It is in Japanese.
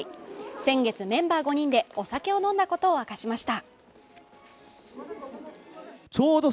先月メンバー５人でお酒を飲んだことを明かしました。